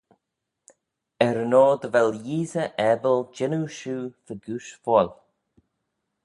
Er yn oyr dy vel Yeesey abyl jannoo shiu fegooish foill.